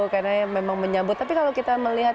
karena memang menyambut tapi kalau kita melihat